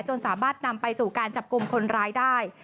จนสามารถนำไปสู่การจับกลุ่มคนร้ายได้